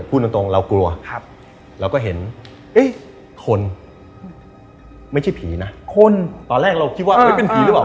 พูดตรงเรากลัวเราก็เห็นเอ๊ะคนไม่ใช่ผีนะคนตอนแรกเราคิดว่าเป็นผีหรือเปล่า